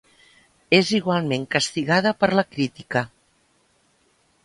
És igualment castigada per la crítica.